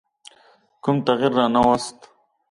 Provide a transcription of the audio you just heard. کوم تغییر رانه ووست.